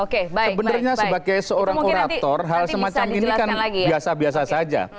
sebenarnya sebagai seorang orator hal semacam ini kan biasa biasa saja